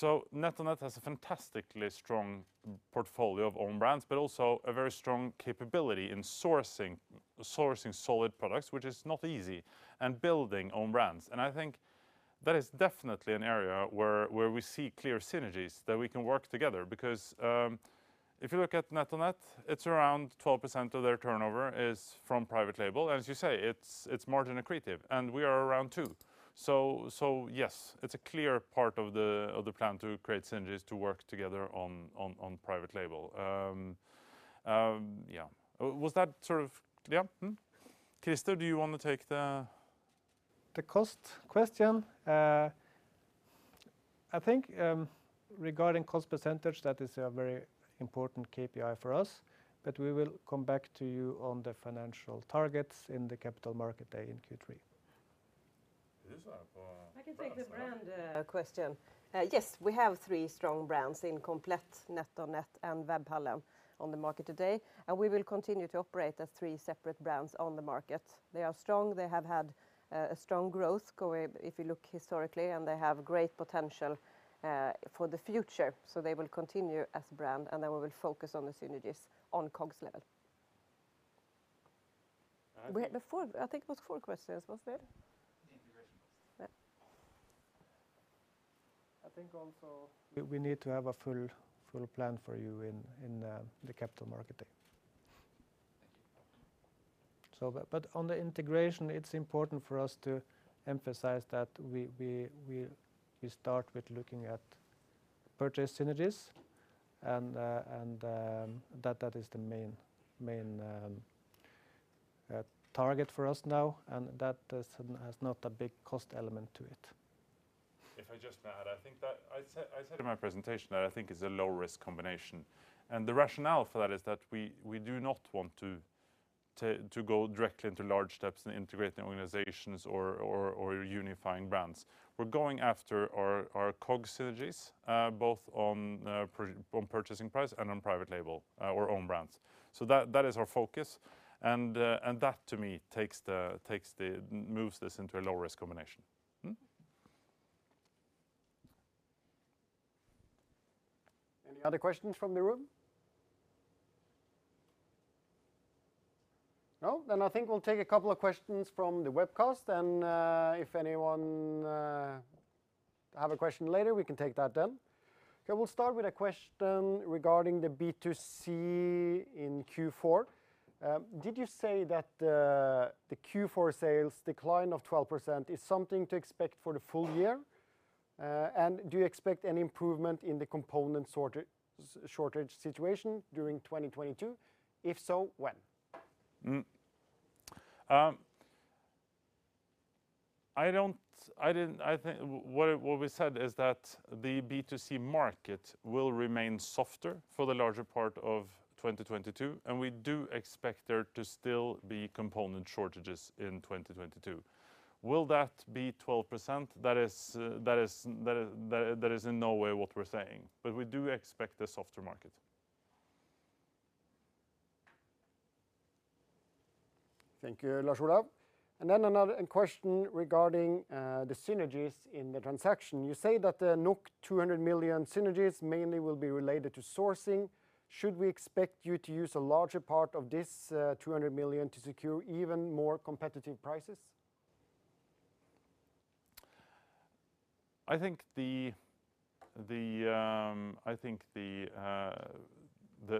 Speaker 2: NetOnNet has a fantastically strong portfolio of own brands, but also a very strong capability in sourcing solid products, which is not easy, and building own brands. I think that is definitely an area where we see clear synergies that we can work together because if you look at NetOnNet, it's around 12% of their turnover is from private label. As you say, it's margin accretive, and we are around 2. Yes, it's a clear part of the plan to create synergies to work together on private label. Yeah. Was that sort of? Yeah. Krister, do you want to take the-
Speaker 3: The cost question? I think, regarding cost percentage, that is a very important KPI for us. We will come back to you on the financial targets in the Capital Markets Day in Q3.
Speaker 2: Susanne Holmström.
Speaker 4: I can take the brand question. Yes, we have three strong brands in Komplett, NetOnNet, and Webhallen on the market today, and we will continue to operate as three separate brands on the market. They are strong. They have had a strong growth going if you look historically, and they have great potential for the future. They will continue as brand, and then we will focus on the synergies on COGS level.
Speaker 2: I think.
Speaker 4: We had four, I think it was four questions, was there?
Speaker 5: The integration question.
Speaker 4: Yeah.
Speaker 3: I think also we need to have a full plan for you in the Capital Markets Day.
Speaker 5: Thank you.
Speaker 3: On the integration, it's important for us to emphasize that we start with looking at purchase synergies and that is the main target for us now, and that has not a big cost element to it.
Speaker 2: If I just may add, I think that I said in my presentation that I think it's a low risk combination. The rationale for that is that we do not want to go directly into large steps and integrate the organizations or unifying brands. We're going after our COGS synergies, both on purchasing price and on private label or own brands. That is our focus, and that to me moves this into a low risk combination.
Speaker 1: Any other questions from the room? No? Then I think we'll take a couple of questions from the webcast, and, if anyone have a question later, we can take that then. Okay, we'll start with a question regarding the B2C in Q4. Did you say that the Q4 sales decline of 12% is something to expect for the full year? Do you expect any improvement in the component shortage situation during 2022? If so, when?
Speaker 2: I think what we said is that the B2C market will remain softer for the larger part of 2022, and we do expect there to still be component shortages in 2022. Will that be 12%? That is in no way what we're saying. We do expect a softer market.
Speaker 1: Thank you, Lars Olav. Another question regarding the synergies in the transaction. You say that the 200 million synergies mainly will be related to sourcing. Should we expect you to use a larger part of this 200 million to secure even more competitive prices?
Speaker 2: I think the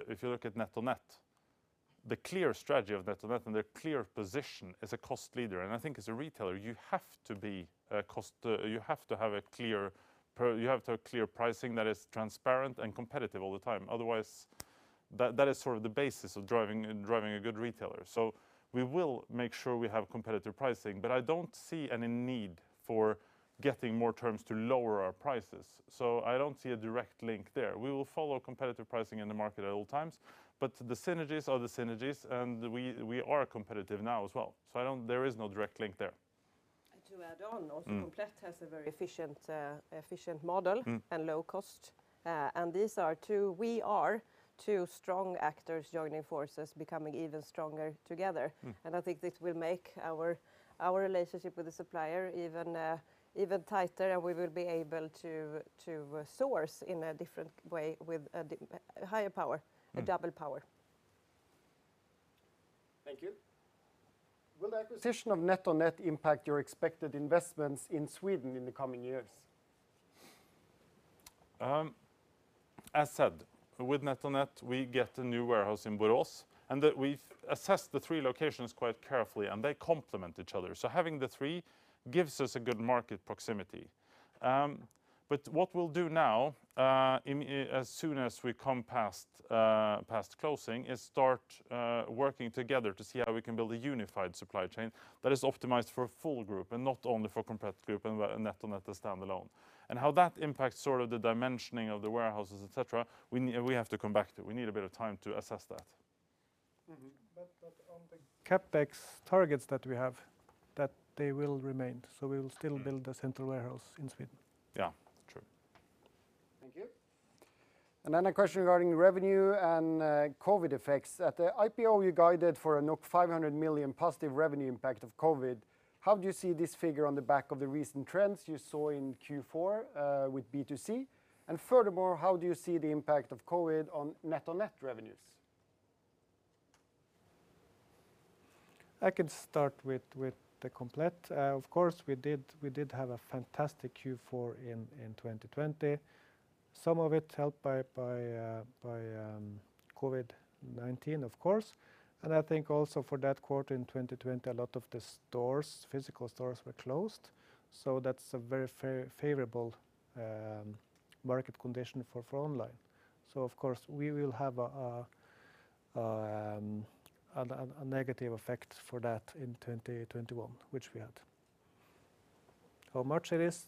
Speaker 2: If you look at NetOnNet, the clear strategy of NetOnNet and their clear position is a cost leader. I think as a retailer, you have to have clear pricing that is transparent and competitive all the time. Otherwise, that is sort of the basis of driving a good retailer. We will make sure we have competitive pricing. I don't see any need for getting more terms to lower our prices. I don't see a direct link there. We will follow competitive pricing in the market at all times. The synergies are the synergies, and we are competitive now as well. There is no direct link there.
Speaker 4: To add on, also.
Speaker 2: Mm
Speaker 4: Komplett has a very efficient model.
Speaker 2: Mm
Speaker 4: Low cost. We are two strong actors joining forces, becoming even stronger together.
Speaker 2: Mm.
Speaker 4: I think this will make our relationship with the supplier even tighter, and we will be able to source in a different way with higher power.
Speaker 2: Mm.
Speaker 4: A double power.
Speaker 1: Thank you. Will the acquisition of NetOnNet impact your expected investments in Sweden in the coming years?
Speaker 2: As said, with NetOnNet, we get a new warehouse in Borås, and we've assessed the three locations quite carefully, and they complement each other. Having the three gives us a good market proximity. What we'll do now, as soon as we come past closing, is start working together to see how we can build a unified supply chain that is optimized for a full group and not only for Komplett Group and NetOnNet as standalone. How that impacts sort of the dimensioning of the warehouses, et cetera, we have to come back to. We need a bit of time to assess that.
Speaker 4: Mm-hmm.
Speaker 3: On the CapEx targets that we have, that they will remain, so we will still-
Speaker 2: Mm...
Speaker 3: build the central warehouse in Sweden.
Speaker 2: Yeah, true.
Speaker 1: Thank you. Another question regarding revenue and COVID effects. At the IPO, you guided for 500 million positive revenue impact of COVID. How do you see this figure on the back of the recent trends you saw in Q4 with B2C? And furthermore, how do you see the impact of COVID on NetOnNet revenues?
Speaker 3: I can start with the Komplett. Of course, we did have a fantastic Q4 in 2020, some of it helped by COVID-19, of course. I think also for that quarter in 2020, a lot of the stores, physical stores were closed, so that's a very favorable market condition for online. Of course, we will have a negative effect for that in 2021, which we had. How much it is,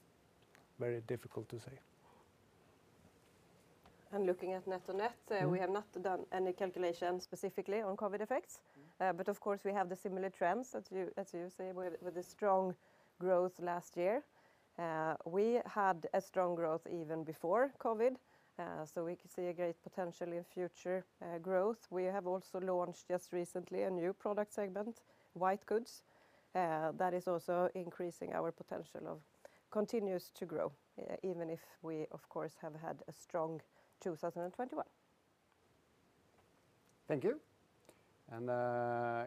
Speaker 3: very difficult to say.
Speaker 4: Looking at NetOnNet.
Speaker 3: Mm
Speaker 4: We have not done any calculation specifically on COVID effects. Of course, we have the similar trends that you, as you say, with the strong growth last year. We had a strong growth even before COVID, so we could see a great potential in future growth. We have also launched just recently a new product segment, white goods, that is also increasing our potential to continue to grow, even if we, of course, have had a strong 2021.
Speaker 1: Thank you.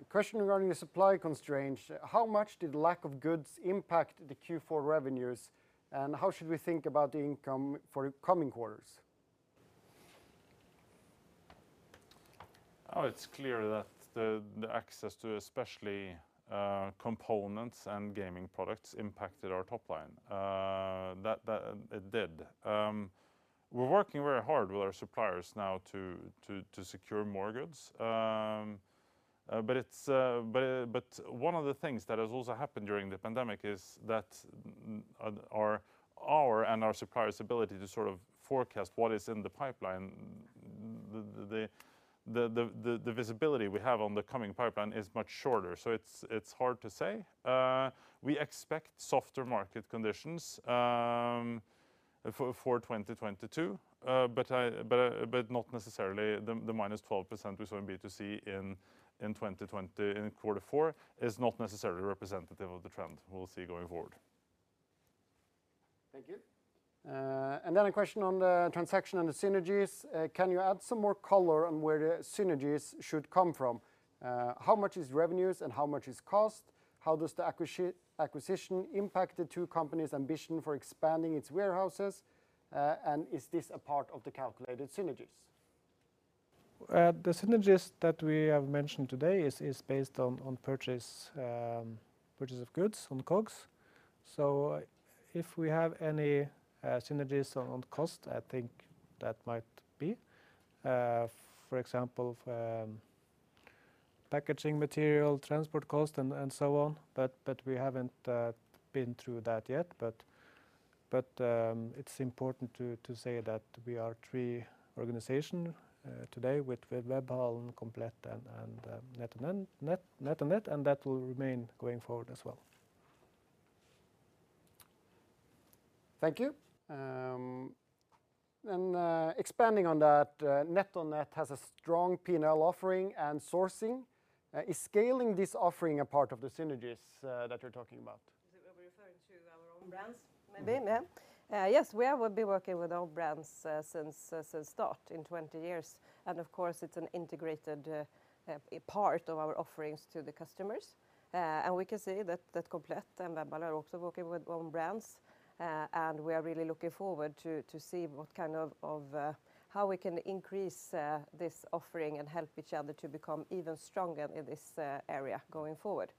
Speaker 1: Question regarding the supply constraints, how much did lack of goods impact the Q4 revenues, and how should we think about the income for coming quarters?
Speaker 2: Oh, it's clear that the access to especially components and gaming products impacted our top line. It did. We're working very hard with our suppliers now to secure more goods. But one of the things that has also happened during the pandemic is that our and our suppliers' ability to sort of forecast what is in the pipeline, the visibility we have on the coming pipeline is much shorter, so it's hard to say. We expect softer market conditions for 2022, but not necessarily the -12% we saw in B2C in 2020 in quarter four is not necessarily representative of the trend we'll see going forward.
Speaker 1: Thank you. Another question on the transaction and the synergies. Can you add some more color on where the synergies should come from? How much is revenues and how much is cost? How does the acquisition impact the two companies' ambition for expanding its warehouses? Is this a part of the calculated synergies?
Speaker 3: The synergies that we have mentioned today is based on purchase of goods on COGS. If we have any synergies on cost, I think that might be. For example, packaging material, transport cost, and so on, but it's important to say that we are three organization today with Webhallen, Komplett, and NetOnNet, and that will remain going forward as well.
Speaker 1: Thank you. Expanding on that, NetOnNet has a strong P&L offering and sourcing. Is scaling this offering a part of the synergies that you're talking about?
Speaker 4: Is it where we're referring to our own brands maybe, yeah? Yes, we have been working with own brands since start, in 20 years, and of course, it's an integrated part of our offerings to the customers. We can say that Komplett and Webhallen are also working with own brands, and we are really looking forward to see what kind of how we can increase this offering and help each other to become even stronger in this area going forward.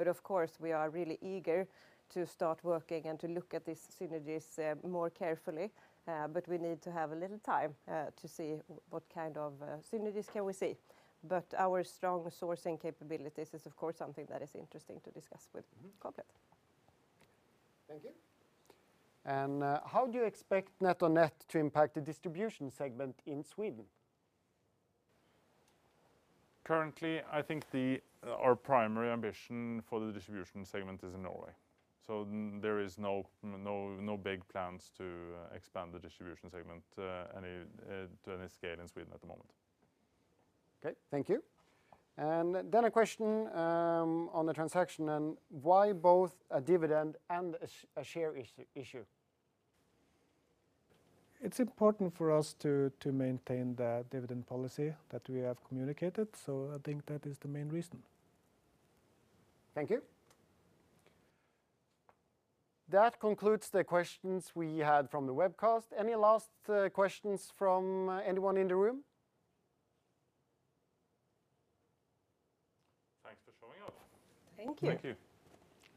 Speaker 4: Of course, we are really eager to start working and to look at these synergies more carefully, but we need to have a little time to see what kind of synergies can we see. Our strong sourcing capabilities is of course something that is interesting to discuss with.
Speaker 2: Mm-hmm
Speaker 4: Komplett.
Speaker 1: Thank you. How do you expect NetOnNet to impact the distribution segment in Sweden?
Speaker 2: Currently, I think our primary ambition for the distribution segment is in Norway, so there is no big plans to expand the distribution segment to any scale in Sweden at the moment.
Speaker 1: Thank you. Then a question on the transaction and why both a dividend and a share issue?
Speaker 3: It's important for us to maintain the dividend policy that we have communicated, so I think that is the main reason.
Speaker 1: Thank you. That concludes the questions we had from the webcast. Any last questions from anyone in the room?
Speaker 2: Thanks for showing up.
Speaker 4: Thank you.
Speaker 2: Thank you.